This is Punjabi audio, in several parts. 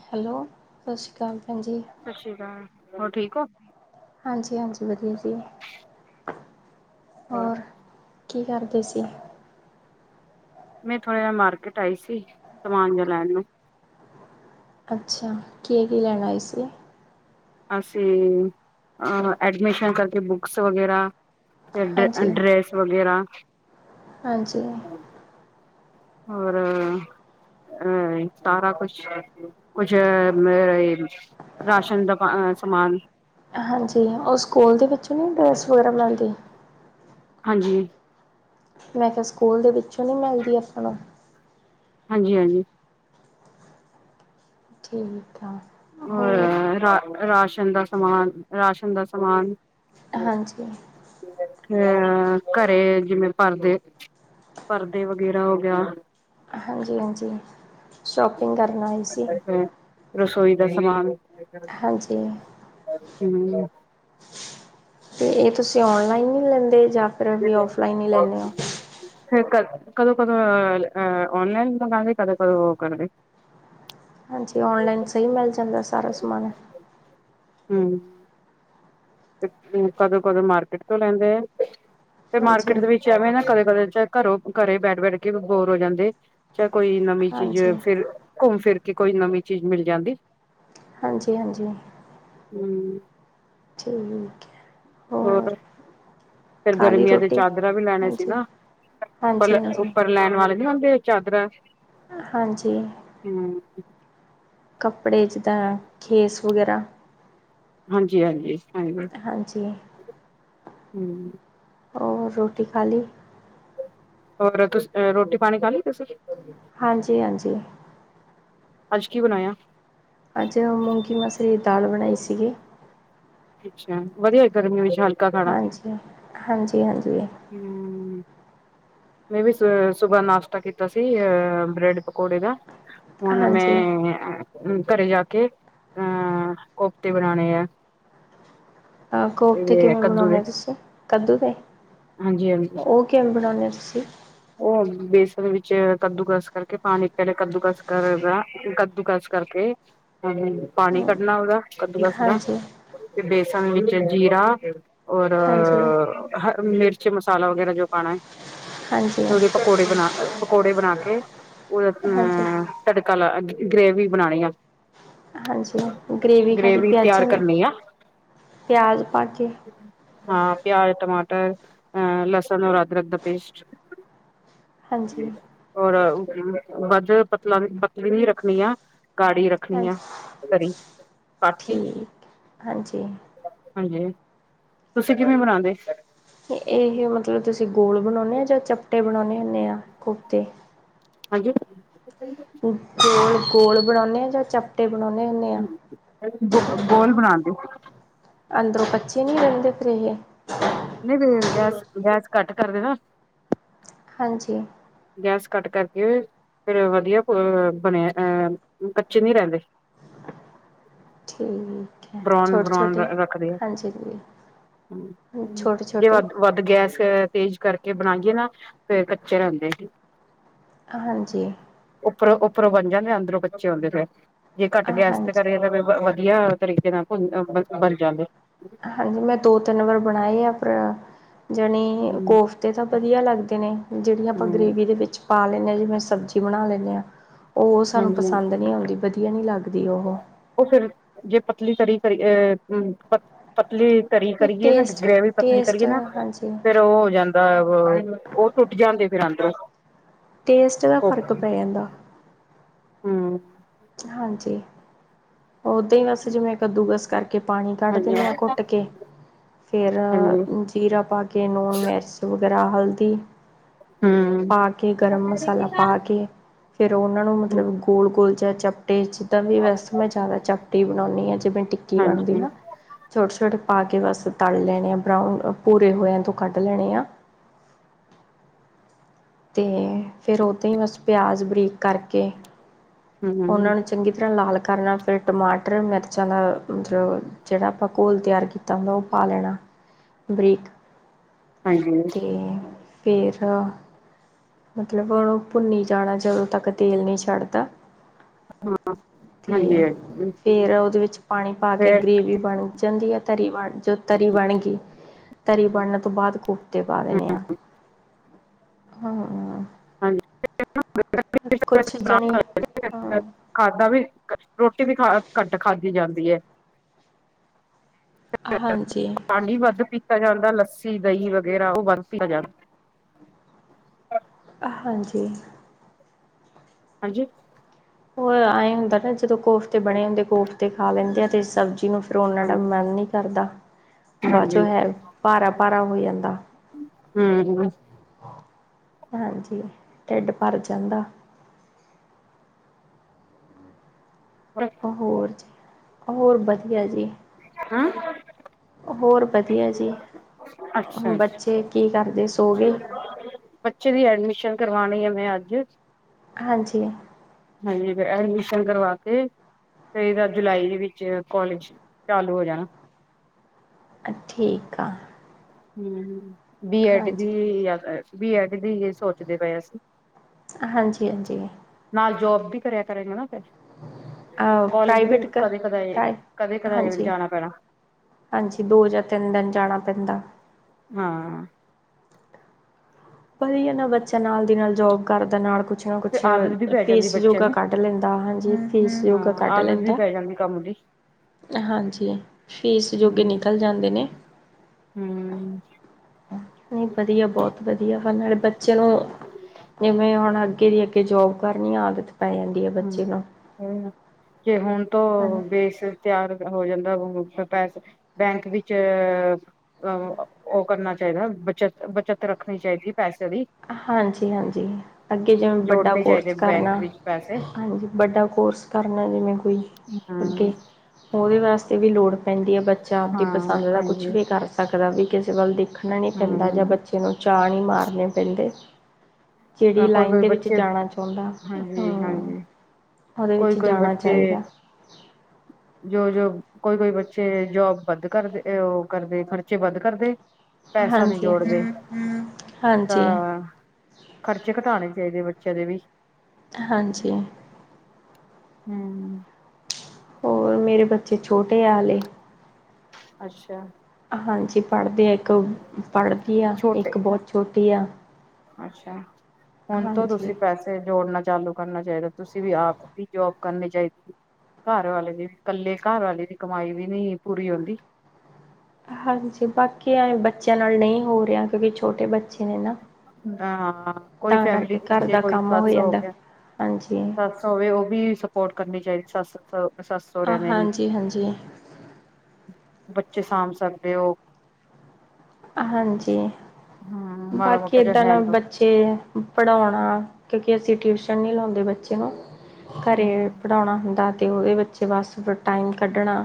ਹੈਲੋ, ਸਤਿ ਸ਼ੀ ਕਾਲ ਭੈਣ ਜੀ। ਸਤਿ ਸ਼੍ਰੀ ਅਕਾਲ ਹੋਰ ਠੀਕ ਹੋ। ਹਾਂਜੀ ਹਾਂਜੀ, ਵਧੀਆ ਜੀ। ਹੋਰ ਕੀ ਕਰਦੇ ਸੀ। ਮੈਂ ਥੋੜ੍ਹਾ ਜਾ ਮਾਰਕੀਟ ਆਈ ਸੀ। ਸਮਾਨ ਜਾ ਲੈਣ ਨੂੰ ਅੱਛਾ, ਕੀ ਕੀ ਲੈਨ ਆਏ ਸਿਗੇ? ਅਸੀਂ ਅ ਐਡਮਿਸ਼ਨ ਕਰਕੇ ਬੁੱਕਸ ਵਗੈਰਾ ਹਾਂਜੀ ਡ੍ਰੈਸ ਵਗੈਰਾ ਹਾਂਜੀ ਹੋਰ ਅਹ ਸਾਰਾ ਕੁਛ ਕੁਛ ਅ ਰਾਸ਼ਨ ਦਾ ਸਮਾਨ ਹਾਂਜੀ, ੳਹ ਸਕੂਲ ਦੇ ਵਿੱਚ ਕਿ ਡ੍ਰੇਸ ਵਗੈਰਾ ਬਣਾਂਦੀ। ਹਾਂਜੀ। ਮੈਂ ਕਹਾ ਸਕੂਲ ਦੇ ਵਿੱਚ [unintelligible] ਨੀ ਮਿਲਦੀ ਅਪਾੱ ਨੂੰ ਹਾਂਜੀ ਹਾਂਜੀ। ਠੀਕ ਆ ਹੋਰ [unintelligible] ਰਾਸ਼ਨ ਦਾ ਸਮਾਨ, ਰਾਸ਼ਨ ਦਾ ਸਮਾਨ ਹਾਂਜੀ। ਅ ਘਰੇ ਜਿਵੇਂ ਪਰਦੇ ਪਰਦੇ ਵਗੈਰਾ ਹੋ ਗਿਆ। ਹਾਂਜੀ ਹਾਂਜੀ। ਸ਼ੋਪਿੰਗ ਕਰਨ ਆਈ ਸੀ। [unintelligible] ਹਾਂਜੀ। [unintelligible] ਤੇ ਇਹ ਤੁਸੀਂ ਓਨਲਾਈਨ ਨੀ ਲੈਂਦੇ ਜਾਂ ਫਿਰ ਵੀ ਔਫਲਾਈਨ ਹੀ ਲੈਨੀ ਆ। ਫਿਰ ਕ ਕਦੋਂ-ਕਦੋਂ ਔਨਲਾਈਨ ਮੰਗਾਉਂਦੇ ਕਦੋਂ-ਕਦੋਂ ਉਹ ਕਰਦੇ। ਹਾਂਜੀ ਔਨਲਾਈਨ ਸਹੀ ਮਿਲ ਜਾਂਦਾ ਸਾਰਾ ਸਮਾਨ। ਹਮ ਤੇ ਕਦੋਂ-ਕਦੋਂ ਮਾਰਕੀਟ ਤੋਂ ਲੈਂਦੇ ਆ। ਤੇ ਮਾਰਕੀਟ ਹਾਂਜੀ ਦੇ ਵਿੱਚ ਆਵੇਂ ਨਾ ਕਦੇ-ਕਦੇ ਚ ਘਰੋਂ ਘਰੇ ਬੈਠ ਬੈਠ ਕੇ ਬੋਰ ਹੋ ਜਾਂਦੇ ਚਾਹ ਕੋਈ ਨਵੀਂ ਚੀਜ਼ ਹਾਂਜੀ, ਫਿਰ ਘੁੰਮ ਫਿਰ ਕਿ ਕੋਈ ਨਵੀਂ ਚੀਜ਼ ਮਿਲ ਜਾਂਦੀ ਹਾਂਜੀ ਹਾਂਜੀ ਹੂੰ ਠੀਕ ਹੋਰ ਫੇਰ ਖਾਲੀ ਗਰਮੀਆਂ ਦੇ ਰੋਟੀ ਚਾਦਰਾ ਵੀ ਲੈਣੇ ਸੀ ਹਾਂਜੀ, ਨਾ ਹਾਂਜੀ-ਹਾਂਜੀ। ਹਾਂਜੀ, ਉੱਪਰ-ਉੱਪਰ ਲੈਣ ਵਾਲੇ ਨੀ ਹੁੰਦੇ। ਚਾਦਰਾਂ ਹਾਂਜੀ ਹੂੰ ਕੱਪੜੇ 'ਚ ਤਾਂ ਖੇਸ ਵਗੈਰਾ ਹਾਂਜੀ ਹਾਂਜੀ ਹਾਂਜੀ ਹਮ ਹਾਂਜੀ, ਔਰ ਰੋਟੀ ਖਾਲੀ। ਹੋਰ ਤੁਸ ਰੋਟੀ ਪਾਣੀ ਖਾ ਲਈ ਤੁਸੀ। ਹਾਂਜੀ-ਹਾਂਜੀ ਅੱਜ ਕੀ ਬਣਾਇਆ। ਅੱਜ ਮੂੰਗੀ ਮਸਰੀ ਦਾਲ ਬਣਾਈ ਸੀਗੀ। ਅੱਛਾ ਵਧੀਆ ਗਰਮੀਆਂ ਵਿੱਚ ਹਾਲ ਹਾਂਜੀ ਹਾਂਜੀ ਹਾਂਜੀ ਹੂੰ। ਮੈਂ ਵੀ ਸੁਬਾਹ ਨਾਸ਼ਤਾ ਕੀਤਾ ਸੀ ਅ ਬ੍ਰੈਡ ਪਕੌੜੇ ਦਾ। ਹੁਣ ਹਾਂਜੀ ਮੈਂ ਅ ਘਰੇ ਜਾ ਕੇ ਅਹ ਕੋਪਤੇ ਬਣਾਣੇ ਆ। ਹਾਂ ਕੋਪਤੇ ਤੇ ਕਿਵੇਂ ਕੱਦੂ ਦੇ ਬਣਾਉਣੇ ਤੁਸੀ, ਕੱਦੂ ਦੇ ਹਾਂਜੀ ਹਾਂਜੀ ਉਹ ਕਿਵੇਂ ਬਣਾਉਣੇ ਹੋ ਸੀ ਉਹ ਬੇਸਨ ਵਿੱਚ ਕੱਦੂ ਕਸ ਕਰਕੇ ਪਾਣੀ ਇੱਕੇ ਕੱਦੂ ਕਸ ਕਰਦਾ ਕੱਦੂ ਕਸ ਕਰਕੇ ਪਾਣੀ ਕੱਢਣਾ ਉਹਦਾ ਕੱਦੂ ਕਾਸ ਹਾਂਜੀ, ਤੇ ਬੇ ਲਸਣ ਵਿੱਚ ਜੀਰਾ ਔਰ ਹਾਂਜੀ, ਹ ਮਿਰਚੀ ਮਸ ਮਸਾਲਾ ਵਗੈਰਾ ਜੋ ਪਾਣਾ ਐ। ਹਾਂਜੀ, ਉਹਦੇ ਪਕੌੜੇ ਬਣਾ ਪਕੌੜੇ ਬਣਾ ਕੇ ਉਹਦਾ ਹਾਂਜੀ। ਅਹ ਤੜਕਾ ਲਾ ਗ੍ਰੇਵੀ ਬਣਾਣੀ ਆ। ਹਾਂਜੀ ਗਰੇਵੀ ਖਾਧਦੀ ਗ੍ਰੇਵੀ ਤਿਆਰ ਪਿਆਜਾਂ ਦੀ ਕਰਨੀ ਆ ਪਿਆਜ ਪਾ ਕੇ। ਮ ਅਹ ਲਸਨ ਔਰ ਅਦਰਰਦ ਪੇਸਟ। ਹਾਂਜੀ ਔਰ ਅਉ ਵੱਧ ਪਤਲਾਂ ਪਤਲੀ ਨੀ ਰੱਖਣੀ ਆ। ਗਾੜੀ ਰੱਖਣੀ ਆ ਹਾਂਜੀ ਤਰੀ ਤਾਂਕਿ ਠੀਕ ਹਾਂਜੀ ਹਾਜੀ । ਤੁਸੀਂ ਕਿਵੇਂ ਬਣਾਉਂਦੇ ਇਹਹੀ ਮਤਲਬ ਤੁਸੀਂ ਗੋਲ ਬਣਾਉਦੇ ਆਾਂ, ਜਾਂ ਚੱਪਟੇ ਬਣਾਉਦੇ ਹੁੰਦੇ ਆ ਕੁਫਤੇ ਹਾਂਜੀ। ਗੋਲ, ਗੋਲ ਬਣਾਉਂਦੇ ਆਾਂ ਜਾਂ ਚੱਪ ਟੈ ਗੋ ਗੋਲ ਬਣਾਦੇ ਅੰਦਰੋਂ ਬੱਚੇ ਨਹੀਂ ਰਹਿੰਦੇ ਫਰੀ ਏ ਨਹੀਂ ਗੈਸ ਗੈਸ ਕੱਟ ਕਰ ਦੇ ਨਾ ਹਾਂਜੀ। ਗੈਸ ਕੱਟ ਕਰਕੇ ਫਿਰ ਵਧੀਆ ਬਣਿਆ ਅਹ ਕੱਚੇ ਨਹੀਂੀ ਰਹਿੰਦੇ ਠੀਕ ਹੈ ਬਰਾਉਣ ਛੋਟੇ ਬਰਾਉਣ ਛੋਟੇ ਰੱਖਦੇ ਆ ਹਾਂਜੀ ਛੋਟੇ ਜੇ ਛੋਟੇ ਵੱਧ ਵੱਧ ਗੈਸ ਤੇਜ ਕਰਕੇ ਕੇ ਬਣਾਈਏ ਨਾ ਫੇਰ ਕੱਚੇ ਰਹਿੰਦੇ ਹਾਂਜੀ। ਉਰੋਂ ਉਪਰੋਂ ਬਨ ਜਾਂਦੇ ਆ ਅੰਦਰੋਂ ਬੱਚੇ ਆਉਂਦੇ ਫਿਰ ਜੇ ਘੱਟ ਗੈਸ ਤੇ ਹਾਂਜੀ ਕਰੇ ਤਾਂ ਵਧ ਵਧੀਆ ਤਰੀਕੇ ਨਾਲ ਬਣ ਜਾਂਦੇ ਹਾਂਜੀ। ਮੈਂ ਦੋ ਤਿੰਨ ਵਾਰ ਬਣਾਏ ਆ ਪਰ ਜਾਣੀ ਹਮ ਕੋਫਤੇ ਤਾਂ ਵਧੀਆ ਲੱਗਦੇ ਨੇ ਜਿਹੜੀਆਂ ਆਪਾਂ ਗਰੇੇਵੀ ਦੇ ਵਿੱਚ ਪਾ ਲੈ। ਜ ਮੈਂ ਸਬਜ਼ੀ। ਬਣਾ ਲੈਂਦੇ ਹਾਂ ਉਹ ਸਾਨੂੰ ਹਾਂਜੀ ਹਾਂਜੀ, ਪਸੰਦ ਨਹੀਂੀ ਆਉਂਦੀ ਵਧੀਆ ਨਹੀਂ ਲੱਗਦਾ। ਉਹ ਫਿਰ ਜੇ ਪਤਲੀ ਤਰੀ ਅ ਪਤਲੀ ਤਰੀ ਕਰੀਏ ਨਾ ਟੇਸਟ ਗਰੇਵੀ ਪਤਲੀ ਟੇਸਟ ਕਰੀਏ ਨਾ ਹਾਂਜੀ ਫੇਰ ਉਹ ਹੋ ਜਾਂਦਾ। ਉਹ ਟੁੱਟ ਜਾਂਦੇ ਫਿਰ ਅੰਦਰ ਟੇਸਟ ਦਾ ਫ਼ਰਕ ਪੈ ਜਾਂਦਾ। ਹੂੰ, ਹਾਂਜੀ। ਉੱਦਾਂ ਹੀ ਵਸ ਜਿਵੇਂ ਕੱਦੂਕਸ ਕਰਕੇ ਪਾਣੀ ਕੱਢ ਹਾਂਜੀ ਦਿੰਦੇ ਹਾਂ ਕੁੱਟ ਕੇ ਫਿਰ ਹਾਂਜੀ ਹੂੰ ਜੀਰਾ ਪਾ ਕੇ ਲੂਣ ਮਿਰਚ ਗਰਾ ਹਲਦੀ ਪਾ ਕੇ ਗਰਮ ਹਾਂਜੀ ਮਸਾਲਾ ਪਾ ਕੇ ਫੇਰ ਉਹਨਾਂ ਨੂੰ ਹੂੰ ਮਤਲਬ ਗੋਲ, ਗੋਲ ਜਾ। ਟੇ ਜਿੱਦਾਂ ਵੀ ਵੈਸੇ ਮੈਂ ਜ਼ਿਆਦਾ ਚਪਟੀ ਬਣਾਨੀ ਆ ਜਿਵੇੈਂ ਟਿੱਕੀ ਬਣਦੀ ਹਾਂਜੀ ਹਾਂ ਛੋਟੇ-ਛੋਟੇ, ਪਾ ਕੇ ਬਸ ਤਲ ਲੈਣੇ ਆ ਬਰਾਊਨ ਭੂਰੇ ਹੋਏਆ ਤੋਂ ਕੱਢ ਲੈਣੇ ਆ। ਤੇ ਫਿਰ ਉਹ ਤੋਂ ਹੀ ਬਸ ਪਿਆਜ਼ ਬਰੀਕ ਕਰਕੇ, ਉਹਨਾਂ ਨੂੰ ਚੰਗੀ ਤਰ੍ਹਾਂ ਲਾਲ, ਕਰਨਾ ਫਿਰ ਟਮਾਟਰ ਮਿਰਚਾਂ ਦਾ ਮਤਲਬ ਜਿਹੜਾ ਆਪਾਂ ਘੋਲ ਤਿਆਰ ਕੀਤਾ ਹੁੰਦਾ ਉਹ ਪਾ ਲੈਣਾ ਬਰੀਕ, ਹਾਂਜੀ, ਫੇਰ, ਮਤਲਬ ਉਹਨੂੰ ਭੁੰਨੀ ਜਾਣਾ ਜਦੋਂ ਤੱਕ ਤੇਲ ਨਹੀਂ ਛੱਡਦਾ। ਤੇ ਹਾਂਜੀ ਫੇਰ ਉਹਦੇ ਵਿੱਚ ਪਾਣੀ ਪਾ ਕੇ ਫੇਰ ਗ੍ਰੇਵੀ ਬਣ ਜਾਂਦੀ ਐ ਤਰੀ ਬਣ ਜੋ ਤਰੀ ਬਣ ਗਈ। ਤਰੀ ਬਣਨ ਤੋਂ ਬਾਅਦ ਕੋ, ਟੇ ਪਾ ਦੇਣੇ ਆ। ਹੂੰ, ਹਾਂਜੀ, ਕੁਛ ਜਣੀ ਹਾਂ ਖਾਧਾ ਵੀ ਰੋਟੀ ਵੀ ਖਾ ਘੱਟ ਖਾ, ਜਾਂਦੀ ਹੈ। ਹਾਂਜੀ ਪਾਣੀ ਵੱਧ ਪੀਤਾ ਜਾਂਦਾ। ਲੱਸੀ ਦਹੀਂ ਵਗੈਰਾ ਉਹ ਬੰਦ ਕੀਤਾ ਜਾਦਾ, ਹਾਂਜੀ, ਹਾਂਜੀ, ਉਹ ਐਏਂ ਹੁੰਦਾ ਨਾ, ਜਦੋਂ ਕੋਫਤੇ ਬਣੇ ਹੁੰਦੇ ਕੋਫਤੇ, ਤੇ ਖਾ ਲੈਂਦੇ ਆ ਅਤੇ ਸਬਜ਼ੀ ਨੂੰ, ਰੋਲਣ ਦਾ ਹਾਂਜੀ ਮਨ ਨਹੀਂ ਕਰਦਾ ਬਾਅਦ ਚੋਂ ਹਾਂਜੀ ਹੈ ਭਾਰਾ-ਭਾਰਾ ਹੋ ਜਾਂਦਾ। ਹੂੰ ਹਾਂਜੀ ਢਿੱਡ ਭਰ ਜਾਂਦਾ। ਹੋਰ ਜ [unintelligible] ਹੋਰ ਵਧੀਆ ਜੀ ਹੂੰ ਹੋਰ ਵਧੀਆ ਜੀ ਅੱਛਾ ਅੱਛਾ ਬੱਚੇ ਕੀ ਕਰਦੇ ਸੋ ਗਏ [unintelligible] ਬੱਚੇ ਦੀ ਐਡਮਿਸ਼ਨ ਕਰਵਾ ਵੇੈਂ [unintelligible] ਮੈਂ ਅੱਜ ਹਾਂਜੀ ਹਾਂਜੀ ਫੇਰ ਐਡਮ ਸ਼ਨ ਕਰਵਾ ਕੇ ਫੇਰ ਇਹਦਾ ਜੁਲਾਈ ਦੇ ਵਿੱਚ ਕੋਲਜ ਚਾਲੂ ਹੋ ਜਾਣਾ ਅ ਠੀਕ ਆ ਹਮ ਹਮ ਬੀ ਐਡ ਦੀ ਹਾਂਜੀ ਵੀ ਐਡ ਦੀ ਇਹ ਸੋਚਦੇ ਪਏ ਸੀ ਹਾਂਜੀ, ਹਾਂਜੀ। ਓ ਵੀ ਕਰਿਆ ਕਰੇਗਾ ਨਾ। ਫਿਰ, ਅ ਕਾਲਜ ਵੀ ਪ੍ਰਾਈਵੇਟ ਕ ਕਦੇ ਕਦਾਏ ਹ ਕਦੇ ਕਦਾਏ ਹਾਂਜੀ ਜਾਣਾ ਪੈਣਾ, ਹਾਂਜੀ ਦੋ ਜਾਂ ਤਿੰਨ ਦਿਨ ਜਾਣਾ। ਪੈਂਦਾ। ਹਾਂ। ਵਹੀ ਨਾ ਬੱਚਾ ਨਾਲ ਦੀ ਨਾਲ ਜੋਬ ਕਰਦਾ ਨਾਲ ਕੁਛ ਨਾ ਫਿਰ ਕੁਛ ਆਦਤ ਵੀ ਪੈ ਜਾਂਦੀ ਫੀਸ ਬੱਚੇ ਜੋਗਾ ਨੂੰ। ਕੱਢ ਲੈਂਦਾ ਹਾਂਜੀ। ਫੀਸ ਜੋਗਾ ਹਾਂ, ਕਢ ਆਦਤ ਵੀ ਲੈਂਦਾ ਪੈ ਜਾਂਦੀ ਕੰਮ ਦੀ, ਹਾਂਜੀ ਫੀਸ ਜੋਗੇ ਨਿਕਲ ਜਾਂਦੇ ਨੇ ਹਮ । ਹੀਂ ਵਧੀਆ ਬਹੁਤ ਵਧੀਆ ਫ [unintelligible] ਨਾਲੇ ਬੱਚੇ ਨੂੰ ਜਿਵੇਂ ਹੁਣ ਕੇ ਦੀ ਅੱਗੇ ਜੋਬ ਕਰਨੀ ਆਦਤ ਪੈ ਜਾਂਦੀ ਹੈ ਬੱਚੇ ਨੂੰ ਕਿ ਹੁਣ ਤੋਂ ਹਾਂਜੀ ਬੇਸ ਤਿਆਰ ਹੋ ਜਾਂਦਾ ਪੈਸੇ ਬੈਂਕ ਵਿੱਚ ਅ ਉਹ ਕਰਨਾ ਚਾਹੀਦਾ ਬਚਤ ਬੱਚਤ ਰੱਖਣੀ ਚਾਹੀਦੀ ਐ ਹਾਂਜੀ, ਹਾਂਜੀ ਅੱਗੇ ਜਿਵੇਂ ਵੱਡਾ ਜੋੜਨੇ ਚਾਹੀਦੇ ਕੋਰਸ ਬੈਂਕ ਕਰਨਾ ਵਿੱਚ ਪੈਸੇ, ਹਾਂਜੀ। ਵੱਡਾ ਕੋਰਸ ਕਰਨਾ ਜਿਵੇਂ ਕੋਈ ਅੱਗੇ ਹਾਂ, ਉਹਦੇ ਵਾਸ ਤੇ ਵੀ ਲੋੜ ਪੈਂਦੀ ਏ। ਬੱਚਾ ਆਪਦੀ ਹਾਂ ਪਸੰਦ ਦਾ ਕੁਛ ਹਾਂਜੀ। ਵੀ ਕਰ ਸਕਦਾ ਵੀ। ਕਿਸੇ ਗੱਲ ਦੀ । ਸਖਣਾ ਨਹੀਂ ਪੈਂਦਾ ਜਾਂ ਹਮ ਬੱਚੇ ਨੂੰ ਚਾਅ ਨਹੀਂ ਮਾਰਨੇ ਦੇ। [unintelligible] ਚਿੜੀ ਕੋਈ ਲਾਈਨ ਕੋਈ ਦੇ ਵਿੱਚ ਬੱਚੇ ਜਾਣਾ ਚਾਹੁੰਦਾ ਹਾਂਜੀ ।ਹਮ। ਹਾਂਜੀ ਉਹਦੇ ਕੋਈ, ਵਿੱਚ ਕੋਈ ਜਾਣਾ ਬੱਚੇ ਚਾਹੀਦਾ ਜੋ, ਜੋ ਕੋਈ, ਕੋਈ ਬੱਚੇ ਜੋਬ ਵੱਧ ਕਰਦੇ ਉਹ ਕਰਦੇ ਖਰਚੇ ਵੱਧ ਕਰਦੇ। ਪੈਸਾ ਨਹੀ ਹਾਂਜੀ ਜੋੜਦੇ ਤਾਂ ਹਾਂਜੀ ਖਰਚੇ ਘਟਾਉਣੇ ਚਾਹੀਦੇ ਬੱਚੇ। ਕਦੇ ਵੀ ਹਾਂਜੀ। ਹਮ। ਹੋਰ ਮੇਰੇ ਬੱਚੇ ਛੋਟੇ ਆਲੇ । ਅੱਛਾ। ਹਾਂਜੀ ਪੜ੍ਹਦੇ ਆ ਇੱਕ ਪੜ੍ਹਦੀ ਆ ਇੱਕ ਛੋਟੇ ਬਹੁਤ ਛੋਟੀ ਆ ਅੱਛਾ। ਹੁਣ ਤੋਂ ਹਾਂਜੀ। ਤੁਸੀਂ ਪੈਸੇ ਜੋੜਨਾ ਚਾਲੂ ਕਰਨਾ ਚਾਹੀਦਾ ਤੁਸੀਂ ਵੀ ਆਪ ਵੀ ਜੋਬ ਕਰਨੀ ਚਾਹੀਦੀ ਘਰ ਵਾਲੇ ਦੀ ਕੱਲੇ ਘਰ ਵਾਲੇ ਦੀ ਕਮਾਈ ਵੀ ਨੀ ਪੂਰੀ ਆਉਂਦੀ ਹਾਂਜੀ ਬਾਕੀ ਐ ਬੱਚਿਆਂ ਨਾਲ ਨਹੀਂ ਹੋ ਰਿਹਾ ਕਿਉਂਕਿ ਛੋਟੇ ਬੱਚੇ ਨੇ ਨਾ ਹਾਂ ਕੋਈ ਤਾਂ ਫੈਮਲੀ ਕਰਕੇ ਵਿੱਚ ਘਰ ਜ ਦਾ ਕੋਈ ਕੰਮ ਸੱਤ ਸੌ ਹੋ ਜਾਂਦਾ ਗਿਆ ਹਾਂਜੀ ਸਤ ਸ ਹੋਵੇ ਉਹ ਵੀ ਸਪੋਰਟ ਕਰਨੀ ਚਾਹੀਦੀ ਸੱਸ ਸੱਸ ਸਹਰਿਆਂ ਨੇ ਨ ਹਾਂਜੀ ਹਾਂਜੀ। ਬੱਚੇ ਸਾਂਭ ਸਕਦੇ ਓ ਹਾਂਜੀ ਮਾੜਾ ਬਾਕੀ ਮੋਟਾ ਏਦਾਂ ਜਿਹਾ ਨਾ ਹੈਲਪ ਬੱਚੇ ਪੜ੍ਹਾਉਣਾ ਕਿਉਂਕਿ ਅਸੀਂ ਟਿਊਸ਼ਨ ਨਹੀਂ ਲਾਉਂਦੇ ਬੱਚੇ ਨੂੰ ਘਰੇ ਹਮ ਪੜ੍ਹਾਉਣਾ ਹੁੰਦਾ ਅਤੇ ਉਹਦੇ ਬੱਚੇ ਬਸ ਟਾਈਮ ਕੱਢਣਾ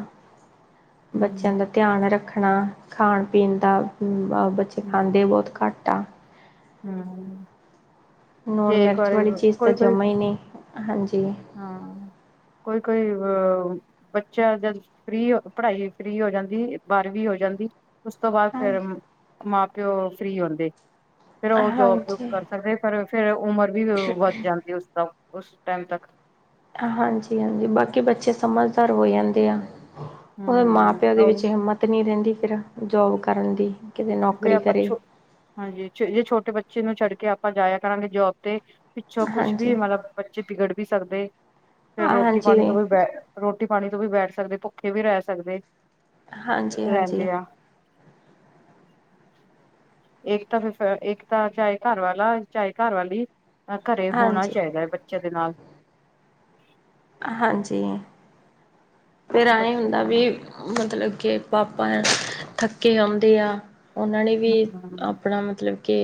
ਬੱਚਿਆਂ ਹਮ ਦਾ ਧਿਆਨ ਰੱਖ ਰੱਖਣਾ ਖਾਣ ਪੀਣ ਦਾ ਹਮ ਬੱਚੇ ਖਾਂਦੇ ਬਹੁਤ ਘੱਟ ਆ। ਹਮ ਲੂਣ ਜੇ ਇੱਕ ਮਿਰਚ ਵਾਰੀ ਵਾਲੀ ਚੀਜ਼ ਤਾਂ ਕੋਈ ਕੋਈ ਜਮਾ ਹੀ ਨਹੀਂ ਹਾਂਜੀ ਹਾਂ ਕੋਈ ਕੋਈ ਅ ਬੱਚਾ ਜਦ ਫੀ [unintelligible] ਪੜ੍ਹਾਈ ਫਰੀ ਹੋ ਜਾਂਦੀ ਬਾਰਵੀ ਹੋ ਜਾਂਦੀ ਉਸ ਤੋਂ ਬਾਅਦ ਫਿਰ ਹਾਂਜੀ। ਮਾਂ ਪਿਓ ਫ੍ਰਰੀ ਹੁੰਦੇ ਫੇਰ ਉਹ ਜੋਬ ਜੂਬ ਹਾਂਜੀ, ਕਰ ਸਕਦੇ ਫ [unintelligible] ਫੇਰ ਉਮਰ ਵੀ ਵੱਧ ਜਾਂਦੀ ਹੈ ਉਸਦਾ ਉਸ ਟਾਈਮ ਤੱਕ ਹਾਂਜੀ ਹਾਂਜੀ ਬਾਕੀ ਬੱਚੇ ਸਮਝਦਾਰ ਹੋ ਜਾਂਦੇ ਆ ਉਹਦੇ ਮਾਂ ਪਿਓ ਦੇ ਹਮ ਵਿੱਚ ਹਿੰਮਤ ਨੀ ਰਹਿੰਦੀ ਫਿਰ ਜੋਬ ਕਰਨ ਦੀ ਕਿਤੇ ਜੇ ਨੌਕਰੀ ਆਪਾਂ ਕਰੇ। ਹਾਂਜੀ ਜੇ ਛੋਟੇ ਬੱਚੇ ਨੂੰ ਛੱਡ ਕੇ ਆਪ ਆਪਾਂ ਜਾਇਆ ਕਰਾਂਗੇ ਜੋਬ ਤੇ ਪਿੱਛੋਂ ਕੁਛ ਵੀ ਹਾਂਜੀ, ਮਤਲਬ ਬੱਚੇ ਬਿਗੜ ਵੀ ਸਕਦੇ ਫੇਰ ਰੋਟੀ ਹਾਂਜੀ, ਪਾਣੀ ਤੋਂ ਵੀ ਬੇ ਰੋਟੀ ਪਾਣੀ ਤੋਂ ਵੀ ਬੈਠ ਕੱਦੇ ਭੁੱਖੇ ਵੀ ਰਹਿ ਸਕਦੇ ਹਾਂਜੀ ਹਾਂਜੀ ਰਹਿੰਦੇ ਆ ਇੱਕ ਤਾਂ ਫਿਰ ਇੱਕ ਤਾਂ ਚਾਹੇ ਘਰ ਵਾਲਾ ਚਾਹੇ ਘਰ ਵਾਲੀ ਘਰੇ ਹੋਣਾ ਹਾਂਜੀ। ਚਾਹੀਦਾ ਹੈ ਬੱਚੇ ਦੇ ਨਾਲ ਹਾਂਜੀ ਫਿਰ ਐਏ ਬੱਚੇ ਹੁੰਦਾ ਹਾਂ ਵੀ ਮਤਲਬ ਕੇ ਪਾਪਾ ਥੱਕੇ ਆਉਂਦੇ ਆ। ਉਹਨਾਂ ਨੇ ਵੀ ਆਪਣਾ ਮਤਲਬ ਕੇ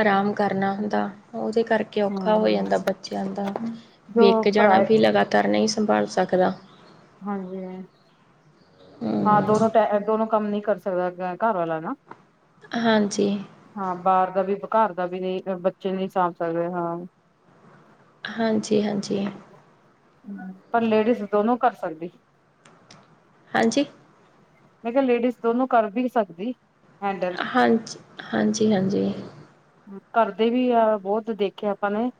ਆਰਾਮ ਕਰਨਾ ਹੁੰਦਾ। ਉਹਦੇ ਕਰਕੇ ਔਖਾ ਹੋ ਜਾਂਦਾ। ਹਾਂ ਬੱਚਿਆਂ ਦਾ ਜੋ ਵੇਖ ਜਾਣਾ ਪਰਾਏ ਵੀ ਲਗਾਤਾਰ ਨਹੀਂ ਸੰਭਾਲ ਸਕਦਾ। ਹਾਂਜੀ। ਹਾਂ, ਹੂੰ। ਦੋਨੋ ਟ ਦੋਨੋ। ਕੰਮ ਨਹੀਂ ਕਰ ਸਕਦਾ ਘਰ ਵਾਲਾ ਨਾ। ਹਾਂਜੀ। ਹਾਂ ਬਾਹਰ ਦਾ ਵੀ ਘਰ ਦਾ ਵੀ ਨਹੀਂ ਬੱਚੇ ਨਹੀਂ ਸਾਂਭ ਸਕਦੇ ਹਾਂ। ਹਾਂਜੀ, ਹਾਂਜੀ, ਹਾਂਜੀ, ਪਰ ਲੇਡੀਜ਼ ਦੋਨੋ ਕਰ ਸਕਦੀ। ਹਾਂਜੀ। ਮੈਂ ਕਿਹਾ ਲੇਡੀਜ਼ ਦੋਨੋ ਕਰ ਵੀ ਸਕਦੀ। ਹੈਂਡਲ ਹਾਂਜੀ, ਹਾਂਜੀ, ਹਾਂਜੀ। ਕਰਦੇ ਵੀ ਆ ਬਹੁਤ ਦੇਖਿਆ ਆਪਾਂ ਨੇ।